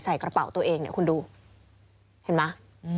ใส่กระเป๋าตัวเองเนี่ยคุณดูเห็นไหม